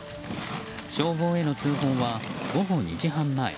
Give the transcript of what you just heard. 消防への通報は午後２時半前。